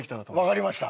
わかりました。